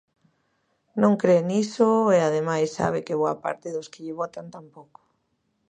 Non cre niso e ademais sabe que boa parte dos que lle votan tampouco.